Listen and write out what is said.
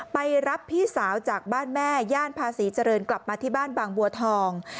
ไปรับพี่สาวจากบ้านแม่ย่านภาษีเจริญกลับมาที่บ้านบางบัวทอง